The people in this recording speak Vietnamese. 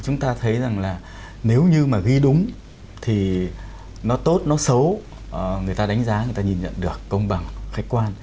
chúng ta thấy rằng là nếu như mà ghi đúng thì nó tốt nó xấu người ta đánh giá người ta nhìn nhận được công bằng khách quan